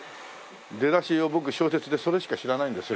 出だしを僕小説でそれしか知らないんですよ。